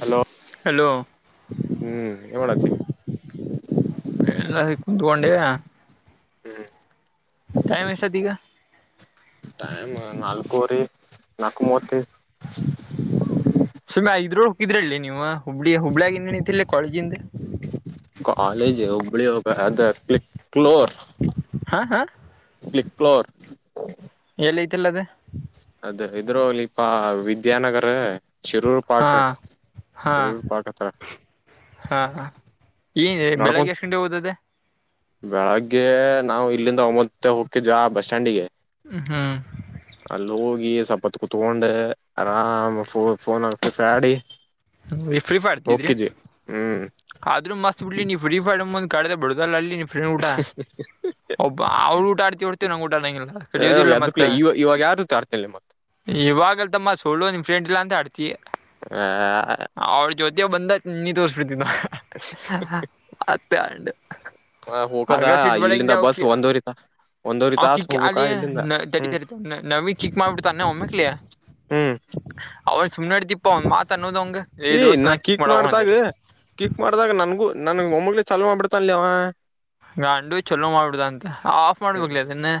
Hello hello ಹ್ಮ್ ಏನ್ಮಾಡಲತಿ? ಕುತ್ಕೊಂಡೀ ಟೈಮ್ ಎಷ್ತಾತ್ ಈಗ? ಟೈಮು ನಾಲ್ಕೂವರೆ ನಾಕು ಮೂವತ್ತೖದ್. ಆ ಇದ್ರು ಇದ್ರಲ್ಲಿ ನೀವು ಹುಬ್ಳಿ ಹುಬ್ಳ್ಯಾಗಿ ಇನ್ನ ನಿಂತಲ್ಲಿ ಕೊಳೇಜಿಂದ್ ಕಾಲೇಜ್ ಹುಬ್ಬಳಿ ಹೋಗ ಅದ ಕ್ಲಿಕ್ ಕ್ಲೋರ್ ಹಾ ಹಾ ಕ್ಲಿಕ್ಕ್ಲೋರ್ ಎಲ್ಲಿ ಐತಿಲ್ಲ ಅದ ಅದ ಇದ್ರೋ ಅಲ್ಲಿ ಪ ವಿದ್ಯಾನಗರ ಶಿರೂರು ಹಾ ಪಾಕ ಹಾ ಶಿರೂರು ಪಾಕತ ಹಾ ಈ ಬೆಳಿಗ್ಗೆ ನಡ್ಕೊಂತ ಎಷ್ಟು ಗಂಟೆಗೆ ಓತದೆ? ಬೆಳಗ್ಗೆ ನಾವು ಇಲ್ಲಿಂದ ಒಂಭತ್ತ ಮುಕ್ಜ್ ಆ ಬಸ್ ಸ್ಟ್ಯಾಂಡಿಗೆ ಹಾ ಅಲ್ಲಿ ಹೋಗಿ ಸಲ್ಪತ್ ಕುತ್ಕೊಂಡೆ ಆರಾಮ್ ಫೋನ್ ಹಾಕ್ತಸ್ಯಾಡಿ ಹ ಫ್ರೀ ಫೈಡ್ತಿದ್ರಿ ಹ್ಮ್ ಆದ್ರೂ ಮಸ್ತ್ ಬಿಡ್ಲಿ ನೀ ಫ್ರೀ ಫೈಡ್ [unintelligible] ಕಡ್ದ ಬಿಡುದಲ್ಲ ಅಲ್ಲಿ ಫ್ರೀ ಊಟ ಒಬ್ಬ ಅವ್ರ ಊಟ ಆಡ್ತಿ ಹೊಡ್ತೀವಿ ನಂಗ ಊಟ ಕಡಿಯೋದಿಲ್ಲ ಎದಕ್ಲ ಮತ್ತೆ ಇವ ಇವಾಗ ಯಾರು ತಾಡ್ತಿಲ್ಲ ಮತ್ ಇವಾಗ ಮ್ಮ ಸುಳ್ಳು ನಿಮ್ಮ ಫ್ರೆಂಡ್ಲ್ ಅಂತ ಅಡ್ತಿವಿ- ಹ ಅವ್ರ ಜ್ಯೋತಗೆ ಬಂದ ನೀ ತೋರಿಸಬಿಡ್ತಿನ ಮತ್ತೆ ಹೋಗದ ಆಗ ಸಿಟ್ ಇಲ್ಲಿಂದ ಬಸ್ ಬಳಕಿ ಒಂದೂವರಿ ಒಂದವರಿ ತಾಸ ಹೋಗ್ಬೇಕಾ ಆಲ್ಲಿ ಇಲ್ಲಿಂದ ನ ತಡಿ ಹ್ಮ್ ತಡಿ ನವಿ ಚೀಕ್ ಮಾಡ ಬಿ ತ ಉಮಖಲಿ ಹ್ಮ್ ಅವ ಸುನಡಿತಿ [unintelligible] ಪ ಒನ್ ಮಾತ್ ಅನ್ನೋದ್ ಆವನ್ಗೆ ಏ ನಾ ಕೀಕ್ ಮಾಡ್ದಾಗ ಕೀಕ್ ಮಾಡ್ದಾಗ ನನ್ಗೂ ನನ್ ಮೊಮ್ಮಗಳಿಗ್ ಚಾಲೂ ಮಾಡ್ಬ ತ್ತಲಿ ಅವಾ [unintelligible] ಚಲೋ ಮಾಡ್ಬಿಡುದ ಅಂತ ಆಫ್ ಹ್ಮ್ ಮಾಡ್ಬೇಕಲ ಅದನ್ನೆ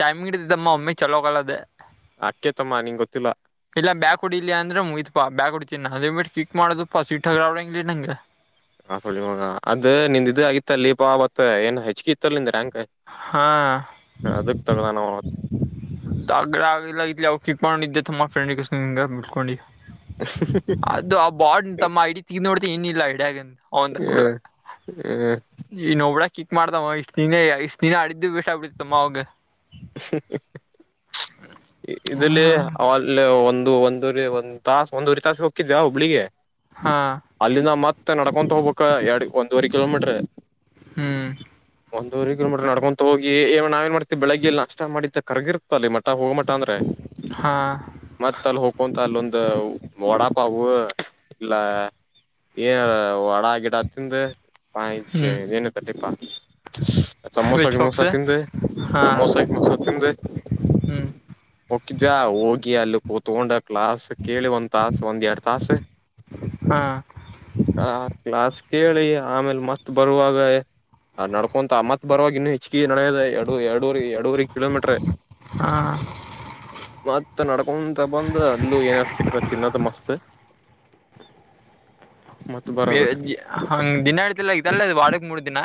ಟೈಮಿಗಿಡ್ದದ್ದಮ್ಮೀ ಚಲೋಗಾಲದೆ ಅಕ್ಕೆ ತಮ್ಮ ನಿಂಗ್ ಗೊತ್ತಿಲ್ಲ ಇಲ್ಲ ಬ್ಯಾಕುಡಿ ಇಲ್ಲಿ ಅಂದ್ರೆ ಮುಗಿತಪಾ ಬ್ಯಾಗ್ ಇನ್ನದೇ ಬಿಟ್ಟ ಚಿಕ್ ಮಾಡದಪ್ಪಾ ಸಿಟ್ ಹದಾವಳಂಗ್ಲಿ ನಂಗೆ ಅದು ನಿಂದ ಇದು ಆಗಿತ್ತ ಲೀಬಾ ಮತ್ತ ಏನ್ ಹೆಚ್ಗಿತ್ತಲ್ಲ ನಿಂದ ರಂ ಹಾ ಅದಕ್ ತಗದಲನಾವ ಆ್ರ ಆಲ್ಲ ಇ ಿ ನಿಿದ್ದೆ ತಮ್ಮಫ್ರೆಂಡ ಕೃಷ [unintelligible] ೊಂಡಿ ಅದು ಆ ಬಾಡ್ ತಮ್ಮ ಐಡಿ ತಗ ನೋಡ್ತ ಏನಿಲ್ಲ ಐಡಿಯಗಂತ [unintelligible] ಹ್ಮ ಹ್ಮ ಈ ನೊಬಳ ಕಿಕ್ ಮಾಡ್ತಮ್ಮ ಇಷ್ಟ ದಿನ ಇಷ್ಟ್ ದಿನ ಆಡಿದ್ದು ಬೆಸ್ ಆಗ್ಬಿಡತಮ್ಮ ಅವಗ [inaudible] ಹ್ಮ ಇದಲ್ಲಿ ಅಲ್ಲಿ ಒಂದು ಒಂದರಿ ಒಂದ್ ತಾಸ ಒಂದೂರಿ ತಾಸ ಹೋಗಿದ್್ಯಾ ಹುಬ್ಳಿಗೆ ಹಾ ಅಲ್ಲಿಂದ ಮತ್ತೆ ನಡ್ಕೊಂತ ಹೋಗ್ಬೇಕ ಎರಡ್ ಒಂದೂವರೆ ಕಿಲೋಮೀಟ್ರ. ಹ್ಮ್ ಒಂದೂರು ಕಿಲೋಮೀಟರ್ ನಡ್ಕೊಂತ ಹೋಗಿ ಏ ನಾವೇನ್ ಮಾಡ್ತೀವಿ ಬೆಳಿಗ್ ಲ್ಲಿ ನಾಷ್ಟ ಮಾಡಿ ಕರಗಿರ್ತ ಅಲ್ಲಿ ಮತ್ ಮತ್ತ ಹೋಗ ಮಟ ಅಂದ್ರೆ ಹಾ ಮತ್ತ್ ಅಲ್ಲಿ ಹೋಕಂತ ಅಲ್ಲೊಂದು ವಡಾಪಾವು ಇಲ್ಲ ಏನ್ ವಡ ಗಿಡ ತಿಂದು ಮಾಇಷ್ ಹ್ಮ್ ಏನ ಪದಿಪ್ಪಾ ಸಮೋಸ ವಿಚ್ ಗಿಮೋಸ ಬಾಕ್ಸ್ ತಿಂದು ಹಾ ಸಮೋಸ ಗಿಮೋಸ ತಿಂದು ಹ್ಮ್ ಮುಕಿದ್ಯಾ ಹೋಗಿ ಅಲ್ಲಿ ಕೂತ್ಗೊಂಡ ಕ್ಲಾಸ್ ಕೇಳಿ ಒಂದ್ ತಾಸ ಒಂದ್ ಎರಡ್ ತಾಸ ಹಾ ಹ ಕ್ಲಾಸ್ ಕೇಳಿ ಆಮೇಲೆ ಮತ್ ಬರುವಾಗ ಆ ನಡ್ಕೊಂತ ಆ ಮತ್ ಬರುವಾಗ ಇನ್ನು ಹೆಚ್ಚಿಗೆ ನಡೆಯದ ಎರಡು ಎರಡೂರಿ ಎಡೂರಿ ಕಿಲೋಮೀಟ್ರ ಹಾ ಮತ್ತ ನಡ್ಕೊ ಬಂದ್ ಅಲ್ಲೂ ಏನಾರ ಸಿಕ್ಕ್ರ ತಿನ್ನದು ಮಸ್ತ್ ಮತ್ ಬರೋದು ಹಂಗ್ ದಿನಾಡತಿಲ್ಲ ಇದಗ್ದಲ್ಲ ಅದು ವಾಡಕ್ ಮೂರ್ ದಿನ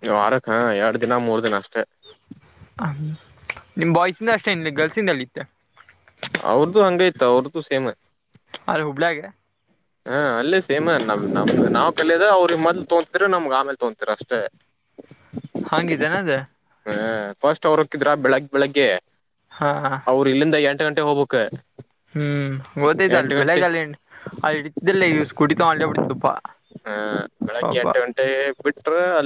ನೀ ವಾರಕ್ಕ ಎರಡ್ ದಿನ ಮೂರ್ ದಿನ ಅಷ್ಟೆ ್ಮ ನಿಮ್ ಬಾಯ್ಸಿಂದ ಅಷ್ಟೇ ಇ ಗರ್ಲ್ಸ್ಿಂದ ಅಲ್ಲಿ ಇತ್ತ [unintelligible] ಅವ್ರದುು ಹಂಗೈ್ತ ಅವ್ರದ್ದು ಸೇಮ್ ಹುಬ್ಳ್ಳಾಗೆ ಹಾ ಅಲ್ಲೇ ಸೇಮ ನಮ ನಮ್ದ ನಾ ಲದ ಅವ್ರ ಮೊದ್ಲು ತೋಂತತಿೀರಿ ನಮ್ಗ್ಗೆ ಆಮೇಲೆ ತೊೋತಿರ ಅಷ್ಟೇ ಹಂಗಿದ್ದೇನೆ ಅದ ಹ ಫಸ್ಟ್ ಅವ್ರು ಹಕ್ಕಿದ್ರ ಬೆಳಗ್ ಬೆಳಗ್ಗೆ ಹಾ ಅವರು ಇಲ್ಲಿಂದ ಎಂಟು ಗಂಟೆ ಹೋಗ್ಬಬೇಕಕ್ ಹ್ಮ್ ಗೊತ್ತೈತ ಅಲ್ ಬೆಳಗೆಲ್ಲ ಇಲ್ಲ ಈ ಸ್ಕೂಟಿ ತಲ್ಲಿ ಅ್ದಪ್ಪಾ ಹ ಪಪಾ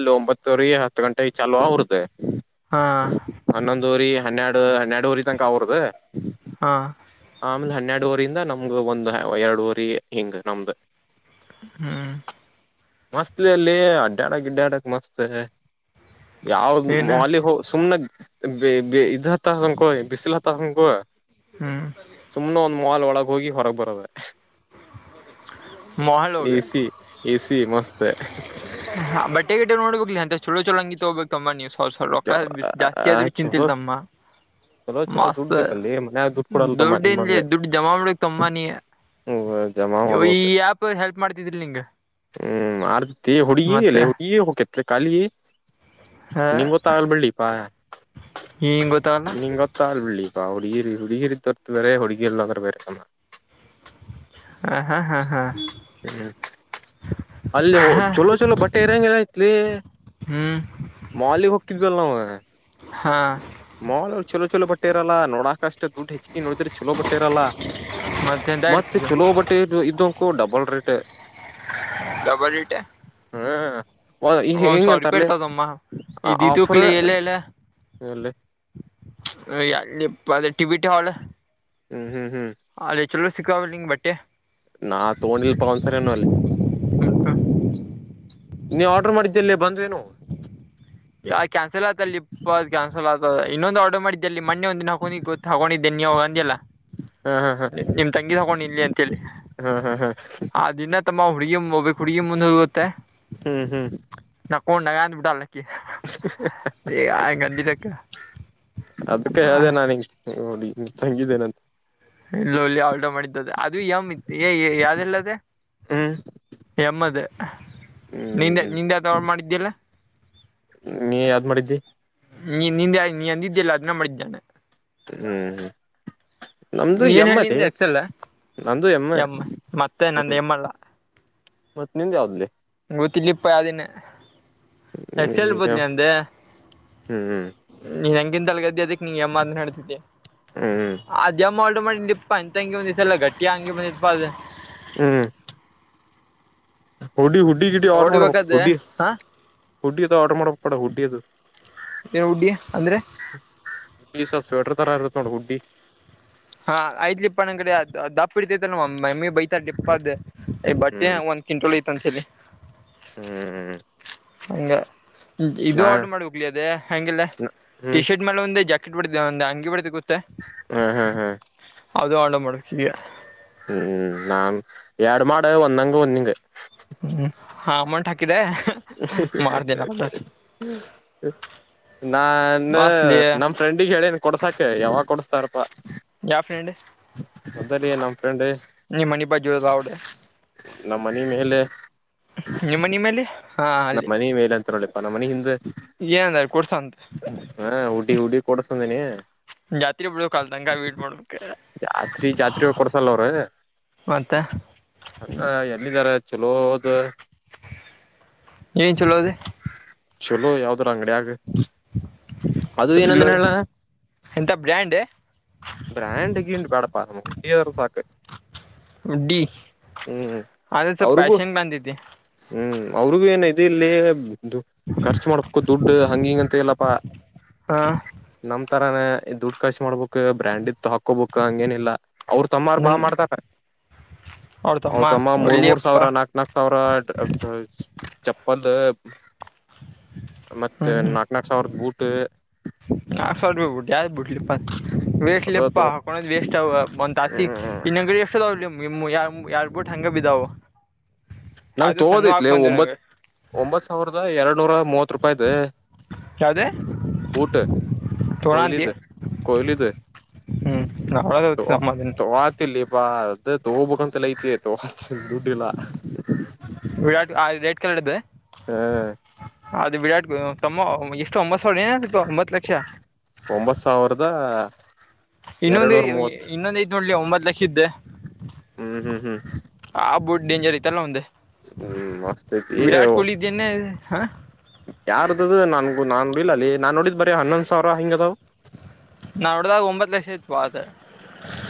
ಇಲ್ಲಿ ಒಂಬತ್ತುವರೆ ಹತ್ತು ಗಂಟೆಗೆ ಚಾಲ ಅವರುದ ಹಾ ಹನ್ನೆರಡು ಹನ್ನೆರಡು ಊರಿ ತನಕ ಅವರದದು ಹಾ ಆಮೇಲ್ ಹನ್ನೆರಡುುವಊರಿಯಂದ ನಮ್ದ ಒಂದು್ ಎರಡುುವರಿ ಹಿಂಗ್ ನಮ್ದು ಹ್ಮ್ ಮಸ್ತ್ಲಿ ಅಲ್ಲಿ ಅಡ್ಡ್ಯಾಡ ಅಡ್ಡ್ಯಾಡಕ್ಕೆ ಮಸ್ತ್ ಯಾವ್ದ್ ಏನ ಅಲ್ಲಿ ಸು್ನೆ ಇದ್ ಹತ್ತಂಕೋ ಬಿಸಿಲು ಹತ್ತ ಹಂಕೋ ಹ್ಮ್ ಮಾಲ್ ಒಳಗೆ ಹೋಗಿ ಹೊರಗ್ ಬರದ ಮಹಾಲೋಗೆ ಮಸ್ತ ಬಟೆ ಗಟ ನೋಡ್ಬೇಕ ಅಂತ ಚೋಂಗಿ ಹೋಗಬೇಕ ತಂಬ ನೀವು ರ ಜಾಸ್ತಿಯಾದವಿ ಚಲೋ ಚಿಂತಲ್ಲ ತಮ್ಮಮ್ಮ ಚಲೋ ಚಲೋ ದುಡ್ ಮಸ್ತ್ ಬೇಕಲ್ಲಿ ಮನ್ಯಾಗ ದುಡ್ಡು ಕೊಡಲ್ ತಮ್ಮ ದೊಡ್ಡಜ ದದುಡ್ಡು ಜಮ ಮಾಡ ತಂಬ ನೀಯ ಹಓ ಜಮಾ ನೀವು ಈ ಮಾಡ್ಬೇಕ್ ಆಪ್ ಹೆಲ್ಪ್ ಮಾಡ್ತಿದ್ರಿ ನಿಂಗ ಹ್ಮ್ ಆರ್ ಹೊಡಿಯ ಎಲ್ಲ ಮತ್ತೆ ಹೊಡಿಯ ಹ ಕೆ ಕಾಲ ನಿನಂ ಗು ತಾಳ್ಬೆಳಿಪಾ ಹ ಗೊತ್ತ ನೀಂಗ ಗೊತ್ತಾಲ್ ಬಿಲ್ಲಿ ಇಪಾ ಹೊಡಗರಿ ಹೊಡಗರಿ ತರತವರೆ ಹೊಡಗೀರಿಲ್ಲಂದರ ಬರೆಮ್ಮ ಹ ಹಾ ಹಾ ಹಾ ಹ್ಮ್ ಅಲ್ಲಿ ಹಾ ಚಲೋ ಚಲೋ ಬಟ್ಟೆ ಇರಂಗರತ್ಲಿ ಹ್ಮ್ ಮಾಲಿಗೆ ಹೋಗ. [unintelligible] ಹಾ. ಮಾಲ್ ಚಛಲೋ ಚಛಲೋ ಬಟ್ಟ ಇರಲ್ಲ ನೋಡಕಷ್ಟ್ ದುಡ್ಡು ಹೆಚ್ಚಿ ನೋಡಿದ್ರೆ ಚಛಲೋ ಬಟ್ಟೆ ಇರಲ್ಲ. ಎಂತ ಮತ್ತೆ ಇಡ್ತಿದ್ದು ಚಲೋ ಬಟ್ಟೆ ಇದಕು ಡಬಲ್ ರೇಟ್ ಆ. ಡಬಲ್ ಇಟೆ ಹಾ ಒ ಈ ಒಂದ್ ಹೇಗೆ ಸಾವಿರ ರೂಪಾಯಿ ಅಂತರಲಿ ಇಡ್ತಾವಮ್ಮ ಇದ ಆಫರ್ ಇದಕ್ಲಿ ಇಲ್ಲಿ ಐ ಬಟಿ ಹಲ್ ಹ್ಮ್ ಹ್ಮ್ ಹ್ಮ್ ಚಲೋ ಸಿಕ್ಕಾವ್ ಬಟ್ಟೆ ನಾ ತಗೊಂಡಿಲ್ಪ ಒಂದ್ಸರಿನು ಅಲ್ಲಿ ನೀ ಆರ್ಡರ್ ಮಾಡಿದ್ದಲ್ಲಿ ಬಂದ್ ಎನು ಯ ಕ್ಯಾನ್ಸಲ್ ಆತ ಅ ಇ ಕ್ಯಾನ್ಸಲ್ ಆತ ಇನ್ನೊಂದು ಆರ್ಡರ್ ಮಾಡಿದ್ದೆಲ್ಲಿ ಮೊ ಒಂದಿನ ಹಕೊಂಡಿ ಗೊತ್ತು ಹಗೊಂಡಿದ್ದೆ ನೀವು ಅಂದಲ್ಲ ಹಾ ಹಾ ಹಾ ನಿಮ್ ತಂಗಿ ತಗೊಂಡು ಇಲ್ಲಿ ಅಂತೇಳಿ ಹಾ ಹಾ ಹಾ ಆ ದಿನ ತಮ್ಮ ಹುಡ್ಗಿ ಹೋಗ್ು ಹುಡ್ಗಿ ಮುಂದ ಹೋಗತ್ತೆ ಹ್ಮ್ ಹ್ಮ್ ಕೋಣಗಾಂತ ಬ ಡಾಲ್ಲಕ್ಕಕ್ಕೆ ಅದಕ್ಕೆ ಹೇಳ್ದೆ ನಾನ್ ನಿನ್ಗೆ. ನೋಡಿ ತಂಗಿದ್ದೇನೆಂತ. ಇ ಲೋಲಿ ಆಲ್ಟ ಮಾಡಿದ್ದದ ಅದು ಯಮ ಇತ್ತು ಯಾವ್ದಲ್ಲದೆ. ಹ್ಮ್ ಎಮ್ಮದ ಹ್ಮ್ ನಿಂದೆ ಹ್ಮ್ ನಿಂದೆ ಯ್ದ [unintelligible] ಮಾಡ್ತಿಯಲ. ನೀ ಯಾವ್ದ್ ಮಾಡಿದ್ದಿ. ನೀ ನಿಂದೆ ನೀ ಅಂದಿದ್ದೆಲ್ಲ ಅದನ್ನ ಮಾಡಿದ್ದಾನೆ. ಹ್ಮ್ ಹ್ಮ. ಏನ್ ಹೇಳಿಂದೆ ಅಕ್ಸಲ್ಲ ಎಮ್ಮ ಮತ್ತೆ ನಂದ ಹೆಮ್ಮಲ್ಲ. [unintelligible] ಮತ್ತತ್ ನಿನ್ ಯಾವ್ದಲಿ. [unintelligible] ಇಪ್ಪ ಅದನೇ. ಸ್ಲ್ ಹ್ಮ್ ಬದ್ಲಿ ಯಂಗ್. [unintelligible] ಹ್ಮ್ [unintelligible] ಎಂತಂಗಿ ಬಂದಲ್ಲ ಹ್ಮ್ ಗಟ್ಟಿ ಹಂಗಿ ಬಂದಿಪ ಅದ್. ಹ್ಮ್. ಹುಡಿ ಹುಡ್. ಹುಡ್ಡಿ ಗಿಡ್ಡಿ ಆರ್ಡರ್ ಮಾಡ ನೋಡ್ಬೇಕಾದ್ರೆ ಹುಡ್ಡಿ ಹಾ ಹುಡ್ಡಿಯದು ಆರ್ಡರ್ ಮಾಡಡ ಹುಡ್ಡಿಯದು. ಏನ್ ಹುಡ್ಗಿ ಅಂದ್ರೆ ಸ್ವಟ ತರ ಆಗುತ್ತೆ ನೋಡ್ ಗುಡ್ಡಿ. ಹಾ ಐ್ಲಪ್ಪ ನ ಕಡೆ ದಪ್ಪ ಇಡ್ತೈತ ನ ಮಮ್ಮಿ. ಬೈತ ಡಿಪ್ಪದ ಬಟ್ಟೆ ಒಂದ್ ಕ್ಂಟಲ್ ಐತ್ ಅಂತ ಹೇಳಿ. ಹ್ಮ್ ಹ್ಮ್. ಹಂಗ ಇದು ನಾ ಆರ್ಡರ್ ಮಾಡ ಹೋಗಲಿ ಅದೇ ಹಗೆಲ್ಲ ಟಿ ಹ್ಮ್ ಶರ್ಟ್ ಮೇಲೆ ಒಂದು ಜಕ್. ಬಿಡಿದ್ದ ಒಂದೆ ಅಂಗಿ ಬಿಡತಿ ಕತ್ತ ಹಾ ಹಾ ಹಾ ಹದು ಆ ಮಾಡ ಈಗ. ಹ್ಮ್ ನಾನ್ ಎರಡು ಮಾಡಡ ಒಂದಂಗ ಒಂದಂಗ. ಹ್ಮ್ ಹಾ ಅಮೌಂಟ್ ಹಕ್ಕ್. [inaudible] ನಾನ ಮಾಸ್ಲಿ ನಮ್ ಫ್ರೆಂಡಿಗೆ ಹೇಳೇನ್ ಕೊಡ್ಸಾಕ ಯಾವಾಗ ಕೊಡಸ್ತಾರಪ್ಪಾ. ಯಾವ ಫ್ರೆಂಡ ಮೊದಲಿ ನಮ್ ಫ್ರೆಂಡ್ ನಿಮ್ಮಣಿ ಬಾಜು ಆವ. ನಮ್ಮ ಮನೀ ಮೇಲೆ. ನಿಮ್ಮ ನಿ ಮೇಲೆ. ಹಾ ನಮ್ಮ ಅಲ್ಲಿ ಮನೆ ಮೇಲೆ ಅಂತ ನೋಡಪ್ಪ ನಮ್ಮ್ ಮನ ಹಿಂದೆ. ಏನಂದಾರ ಕೊಡ್ಸಂತ ಹಾ ಉುಡಿ ಹುಡಿ ಕೊಡಸ್ಂದೇನಿ. ಜಾತ್ರಿ ಬಿಡ ಕಲ್ ತಂಗ ವೀಟ್ ಮಾಡಕ್ಕೆ. ಅಣ್ಣ ಎಲ್ಲಿದ್ದಾರೆ ಚಲೋ ಹೋದು. ಏನ್ ಚಲೋದೆ. ಚಲೋ ಯಾವ್ದ್ರ ಅಂಗಡಿಯಾಗ ಅದು ಏನಂದ ಚಲೋ ಹೇಳ. ಎಂತ ಬ್ರ್ಯಾಂಡ್ ಬ್ರಾಂಡ್ ಗಿನ್ ಬೇಡಪ್ಪ ನಮ್ಮ ಕುಟ್ಟಿಯರಸಾಕ್. ಡಿ ಹ್ಮ್ ಅದ ಸ್ವಲ್ಪ ಅವ್ರಿಗೂ ಪ್ಯಾಷನ್ ಬಂದಿದ್ದೆ ಹ್ಮ್. ಅವ್ರಿಗು ಏನ್ ಇದು ಇಲ್ಲಿ ಖರ್ಚು ಮಾಡ್ಕು ದುಡ್ಡು ಹಂಗ ಹಿಂಗಂತ ಎಲ್ಲಪ್ಪಾ ಹಾ. ತರಾನ ದುಡ್ಡು ಖರ್ಚ್ ಮಾಡ್ಬೇಕಕ್ ಬ್ರ್ಯಾಂಡ್ ಇ ಹಾಕೋಬೇಕು ಹಂಗೇನಿಲ್ಲಾ. ಅವ್ರ ತಮ್ಮಾರ್ ಬಾ ನನ್ ಮಾಡ್ತಾರ. ಅವ್ರ ಅವ್ರ್ ತಮ್ಮ ಮೂರ್ ಮೂರ್ ಒಳ್ಳೆಯಪ್ಪ ಸಾವಿರ ನಾಕ್ ನಾಕ್ ಸಾವಿರ. ಚಪ್ಪಲ್ ಮತ್ತೆ ನಾಕ್ ನಾಕ್ ಸಾವಿರದ ಬೂಟ್. ನಾ [unintelligible] ಬಿಟ್ಟ ಯಾವ್ದ್ ಬಿಡ್ಲಿಪ್ಪತ್. [unintelligible] ಅದ ತಗೊ ವೇಸ್ಟ್ ಒಂತಾಸಿ ಹ್ಮ್ ಇನ್ನಂಗಡಿ. [unintelligible] ಯ ಯಾರ್ಬಿಟ್ಟ ಹಂಗ ಬಿದ್ದಾವ. ನಂಗ್ ಅದು ಸಣ್ಣ ಹಾಕ್ ತಗೋದೈತ್ಲಿ ಬಂದ್ವಿ ಒಂಬತ್ ನಂಗೆ ಒಂಬತ್ ಸಾವಿರದ ಎರಡ್ ನೂರ ಮೂವ. ಹತ್ತು ರೂಪಾಯಿದೆ ಯಾವ್ದೇ ಊಟ. ತೋಣ ಅಂತಿ ಕೊಯಲಿದೆ ಕೊಯಲಿದೆ ಹ್ಮ್ ನಮ್ಮದನ್ನ ತ ಆತಿಲ್ಲಿ. ವಾ ಅದೇ ತಗೋಬೇಕಂತೆಲ್ಲ ಐತಿ ತೋ ದುಡ್ ಇಲ್ಲ. ವಿರಾಟ್ ರೆಡ್ ಕಲರ್ ಇದು ಅದು ವಿರಾಟ್ ತಮ್ಮ. ಎಷ್ಟೊಂಬತ್ತು ಸಾವರಿ. ಒಂಬತ್ ಸಾವಿರದ. ಇನ್ನೊಂದ ಎರಡ್ನೂರ್ ಮೂವತ್ ಇನ್ನೊಂದ ಐತ್ ನೋಡ್ಲಿ ಒಂಬತ್ ಲಕ್ಷ ಇದ್. ಹ್ಮ್ ಹ್ಮ್ ಹ್ಮ್. ಬುಟ್ ಡೇಂಜರ್ ಐತಲ್ಲ ಒಂದ ಹ್ಮ್ ಮಸ್ತ್ ವಿರಾಟ್ ಕೊಹ್ಲಿ ಇದ್ದೇನೆೇ ಹಾ. ಯಾರ್ದ್ದ ನನ್ಗು ನಾ ಇಲ್ಲಲ್ಲಿ ನಾನ್ ನೋಡಿದ್ ಬರೀ ಹನ್ನೊಂದ್ ಸಾವಿರ ಹಿಂಗ ಅದಾವ್. ನಾ ನೋಡಿದಾಗ ಒಂಬತ್ತು ಲಕ್ಷ ಇತ್ತು ಬಾ ಅದು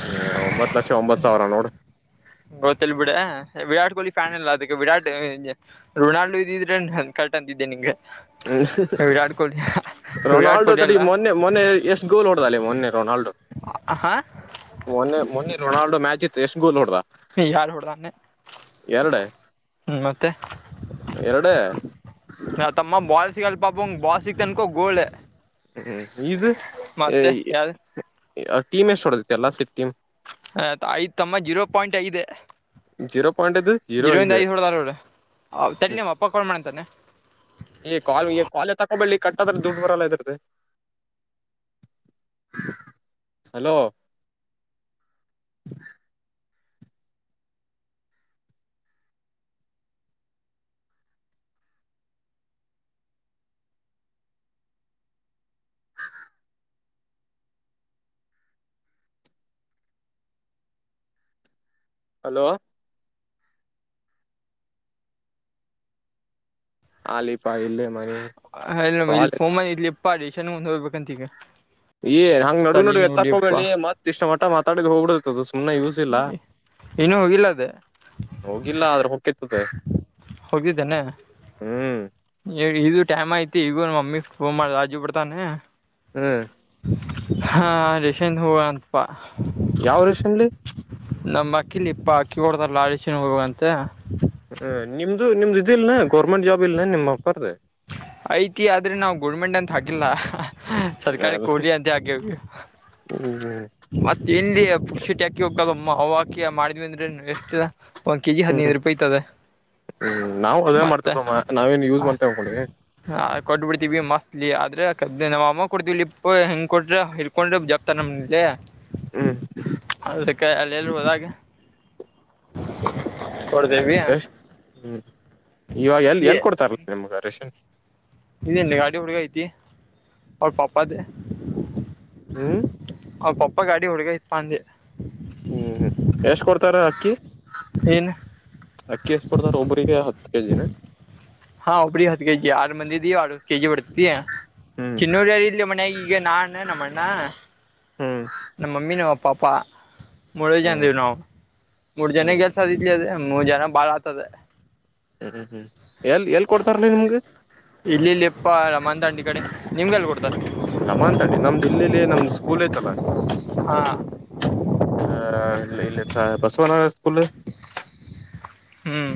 ಹ್ಮ ಒಂಬತ್ ಲಕ್ಷ ಒಂಬತ್ತು ಸಾವಿರ ನೋಡ. ಗೊತ್ತಲ್ ಬಿಡ ವಿರಾಟ್ ಕೊಹ್ಲಿ ಫ್ಯಾನ್ ಎಲ್ಲಾ ಅದಕ್ಕೆ ವಿರಾಟ್ ರೊನಾಲ್ಡು ಇದಿದ್ರೆ ಕ. ತಂದಿದ್ದೆ ನಿನ್ಗೆ. ಹ್ಮ. ವಿರಾಟ್ ರೊನಾಲ್ಡೊ ಕೊಹ್ಲಿ ತರಿ ಈ ಅಲ್ಲ ಮೊನ್ನೆ ಮೊನ್ನೆ ಎಷ್ಟು ಗೋಲ್ ಹೊಡ್ದಳೆ ಮೊನ್ನೆ ರೊನಾಲ್ಡೊ. ಹಾ ಮೊನ್ನೆ ಮೊನ್ನೆ ರೊನಾಲ್ಡೋ ಮ್ಯಾಚ್ ಇತ್ತು ಎಷ್ಟು ಗೋಲ್ ಹೊಡ್ದ. ಯಾರ್ ಹುಡ್ದಾನೆ. ಎರಡ [inaudible] ಹ್ಮ ಮತ್ತೆ ಎರಡ ನ ತಮ್ಮ ಬಾ ಸಿಲ್ಪ ಬಾ ಸಿಗ್ತನ್ಕೋ ಗೋಲ್. ಹ್ಮ್ ಇದು ಮತ್ತೆ ಯಾವ್ದು ಟೀಮ್ ಎಷ್ಟ ಹೊಡದತಿ ಎಲ್ಲ ಸಿಟ್ ಟೀಮ್. ಆ ಆಯ್ತ್ ತಮ್ಮ ಜೀರೋ ಪಾಯಿಂಟ್ ಆಗಿದೆ. ಜೀರೋ ಪಾಯಿಂಟ್ ಇದು ಜೀರೋ ಇರಿಂದ ಇದು ಐದ್ ಹೊಡ್ದಾರ್ರ ಹ್ಮ್ ತಳ್ಳಮ್ಮ ಅಪ್ಪ ಕಾಲ್ ಮಾಡಂತಾನೆ. ಹಓ ಬೆಳ್ಳಿ ಕಟ್ಟದ್ರ ದುಡ್ಡು ಬರಲ್ಲ ಇದರ್ದ. [inaudible] ಹಲೋ. ಹಲೋ. ಆಲಿ ಪ ಇಲ್ಲ ಮನೆ. ಹ್ ಇಲ್ಲಿಫೋಮ್ ಇಲಿ ಎಪ್ಪಾಡಿ ಶೆನ ಮುಂದ್ ಹೋಗ್ಬೇಕಂತ ಈಗ. ಏ ಹಂಗ ನಡು ತಲ್ಲಿ ನಡು ಎತ್ತಕ್ಕ ನೋಡ್ಲಿಪ್ಪಾ ಹೋಗಬೇ ಮತ್ ಇಷ್ಟ ಮಠ ಮಾತಾಡ ಹೋಗಬಡರ್ತದ. [inaudible] ಯೂಸ್ ಇಲ್ಲ ಇನ್ನೂ ಹೋಗಿಲ್ಲ ಅದ ಹೋಗಿಲ್ಲ ಆದ. [inaudible] ಕತ್ತು ತ ಹೋಗಿದ್ದಾನೆ ಹ್ಮ್. ಇದು ಟೈಮ್ ಐತಿ ಈಗ ನ ಮಮ್ಮಿ ಫೋನ್ ಮಾಡ ರಾಜು ಬಿಡ್ತಾನೆ. ಹ್ಮ್. ಹಾ ರೇಷನ್ ಹೂ ಅಪಾ. ಯಾವ ರೀಷನ್ಲಿ. ನಮ್ಮ್ ಅಕ್ಕಿಲಿ ಇಪ್ಪ ಅಕ್ಕಿ ಕೊಡದಾರ ರೇಷನ್ ಹೋಗಂತೆ. ಹ ನಿಮ್ದು ನಿಮ್ದು ಇದಿಲ್ನಾ ಗೌರ್ಮೆಂಟ್ ಜಾಬ್ ಇಲ್ನಾ ನಿಮ್ ಅಪ್ಪಾರ್ದ. ಐತಿ ಆದ್ರೆ ನಾವವು ಗೋರ್ಮೆಂಟ್ ಅಂತ ಹಾಕಿಲ್ಲ ಸರ್ಕಾರಿ ಕೋಲಿ ಅಂತ ಆ ಹ್ಮ ಮತ್ತ ಇಲ್ಲಿ ಪುಕ್ಷಿಟ್ಟಿಕಿ ಹೋಗಕ್ಕದು ಹವುಕಿ ಮಾಡಿದ್ವಿಂದ. ಎಷ್ಟು ಇದ ಒಂದ್ ಕೆಜಿ ಹ್ಮ್ ಹದಿನೈದು ರೂಪಾಯಿ ಐತದ. ಹ್ಮ್ ನಾವು ಅದೇನ್ ಮತ್ತ ಮಾಡ್ತೇತಮ್ಮ ನಾವೇನ್ ಯೂಸ್ ಮಾಡ್ತೇವೆ ಹಕೊಂಡಿದಿ. ಕೊಟ್ಟಬ ಬಿಡ್ತೀವಿ ಮಸ್ತ್ಲಿ ಆದ್ರೆ ಕದ್ದ ನಮ್ಮ ಅಮ್ಮ ಕೊಡ್ತೀವಿ ಲಪ್ಪ ಹೆಂಗ ಕೊಟ್ರೆ ಹಿಳ್ಕೊಂಡ್ರೆ ಜಪ್ತಾರ್ ನಮಲ್ಲಿ. ಹ್ಮ್ ಅದ್ರಕಾಯ ಅಲ್ಲಿ ಎಲ್ ಹೋದಾಗ. ಕೊಡ್ಡೆವಿ. ಎಷ್ಟ್ ಹ್ಮ್ ಇವಾಗ ಎಲ್ ಎಲ್ ಕೊಡ್ತಾರಲ್ಲ ನಿಮ್ಗ ರೇಷನ್. ಇದ ಗಾಡಿ ಹುಡ್ಗ ಐತಿ ಅವ್ರ ಪಾಪ್ದೇ. ಹ್ಮ್ ಅವ ಪಪ್ಪಪ ಗಾಡಿ ಹುಡ್ಗ ಇತ್ ಪ ಅಂದಿ. ಹ್ಮ್ ಹ್ಮ್ ಎಷ್ಟ್ ಕೊಡ್ತಾರ ಅಕ್ಕಿ. ಏನ್ ಅಕ್ಕಿ ಎಸ್ಟ್ ಕೊಡ್ದಾರ ಒಬ್ಬರಿಗೆ ಹತ್ತು ಕೆಜಿನ. ಹಾ ಒಬ್ಬ್ರಿ ಹತ್ತು ಕೆಜಿ ಆರು ಮಂದಿ ಇದಿವಿ ಅರವತ್ ಕೆಜಿ ಹೊ [unintelligible] ಇದಯ ಹ್ಮ್ ಚಿನ್ನೂರು ಇಲ್ಲಿ ಮನಯಾಗ ಈಗ ನಾನ ನಮ್ಮಣ್ಣ. ಹ್ಮ್ ನಮಮ್ಮಿ ನಮ್ ಪಾಪಾ. ಮೂರ ಹ್ಮ್ ಜನೀ ನಾವು ಮೂರ್ ಜನ ಹ್ಮ್ ಗೆಲ್ಸದಿದಲಿ ಅದ ಮೂರ್ ಜನ ಬಾಳ ಆತದೆ. ಹ್ಮ್ ಹ್ಮ್ ಹ್ಮ್ ಎಲ್ ಎಲ್ ಕೊಡ್ತಾರಲಿ ನಿಮಗೆ. [unintelligible] ಪ್ಪಾ ಅಲ್ಲ ಮಂದಂಡಿ ಕಡೆ ನಿಮ್ಗೆಲ್ಲಿ ಕೊಡ್ತರೆ ಲಮ ಅಂತಣಿ ನಮ್ದ್ ಇಲ್ಲಿ ನಮ್ದ್ ಸ್ಕೂಲ್ ಐತಲ್ಲ. ಆ ಇಲ್ಲತ ಬಸವನನ ಸ್ಕೂಲ್. ಹ್ಮ್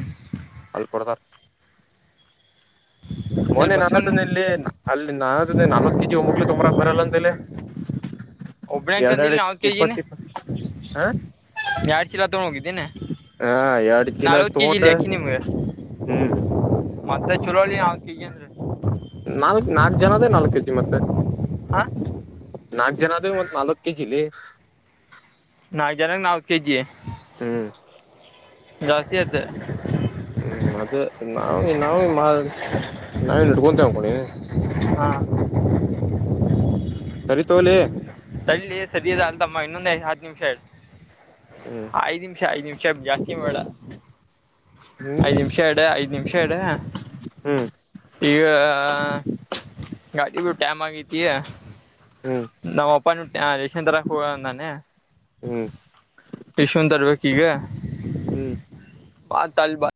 [unintelligible] ದ್ಡ ಎಲ್ಲಿ ಮೊನೆ ನಾನ ಬಸವಣ್ಣ ತಂದೆ ಇಲ್ಲಿ ಅಲ್ಲಿ ನಾನಂದೆ ನಾಲ್ವತ್ ಕೆ ಜಿ ಒಮಕ್ಕೆ ತೊಂಬರಕ್ ಬರಲ್ಲ ಅಂತ ಹೇಳಿ. ಒಬ್ಬನೇ ಅಂತಂದಿಲ್ಲ ಎರಡೆರಡು ನಾಲ್ಕು ಕೆ ಜಿನ ಇಪ್ಪತ್ತ ಇಪ್ಪತ್ತು ಹಾ. ಎರಡು ಚೀಲ ತೊಗೊಂಡು ಹೋಗಿದ್ದೀನಿ ಹಾ ಎಡು ಕಿಲೋ ನಲ್ವತ್ತು ಕೆ ಜಿ ತೋಟ. ಇಲ್ಲಿ ಅಕ್ಕಿ ನಿಮ್ಗೆ ಹ್ಮ್ ಮತ್ತೆ ಚರೊಳಿ [unintelligible] ನಾಲ್ಕ್ ನಾಲ್ಕ ಜನದೆ ನಾಲ್ಕು ಕೆ ಜಿ ಮತ್ತೆ. ಹಾಂ ನಾಕ್ ಜನಾದೆ ನಾಲ್ಕ ಕೆಜಿ ಲೆ. ನಾಕ್ ಜನಕ್ ನಾಲಕ್ಕ ಕೆಜಿ. ಹ್ಮ್ ಜಾಸ್ತಿ ಆತ್ತ. ಹ್ಮ್ ಅದೇ ನಾವ ನಾವ ನಾವೇನ್ ಇಟ್ಕೊಳ್ತೀವಿ ಅನ್ಕೊಂಡೆ. ಹಾ ಸರಿ ತೋಲೆ. ತಳ್ಳೆ ಸರಿಯದ ಅಂತಮ್ಮ ಇನ್ನೊಂದು ಐದು ಹತ್ತು ನಿಮಿಷ ಇರು ಹ್ಮ್ ಐದ್ ನಿಮಿಷ ಐದ್ ನಿಮಿಷ ಜಾಸ್ [unintelligible] ಡ ಹ್ಮ್ ಐದ್ ನಿಮಿಷ ಇಡು ಐದ್ ನಿಮಿಷ ಇಡು. ಹ್ಮ್ ಈಗ ಗಾಡಿ ಬಿ ಟ್ಯಾಮ್ ಆಗ [unintelligible] ಗ ಹ್ಮ್ ನಾವ್ ಒಪನ್ [unintelligible] ಆ ರೇಷನ್ ತರಕ್ ಹೋಗವ್ನೆ ನನ್ನೆ. ಹ್ಮ್ ಟಿಶುನ್ ತರಬೇಕು ಈಗ. ಹ್ಮ್ [unintelligible] ಬಾ ತಲ್ ಬಾ.